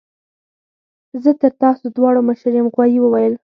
زه تر تاسو دواړو مشر یم غوايي وویل.